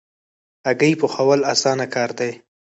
هګۍ پخول اسانه کار دی